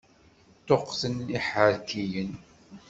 Ṭuqqten iḥerkiyen.